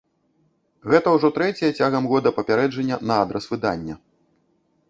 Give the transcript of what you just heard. Гэта ўжо трэцяе цягам года папярэджанне на адрас выдання.